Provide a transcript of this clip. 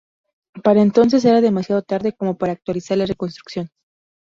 Para entonces era demasiado tarde como para actualizar la reconstrucción.